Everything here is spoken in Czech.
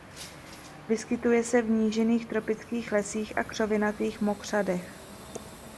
Vyskytuje se v nížinných tropických lesích a křovinatých mokřadech.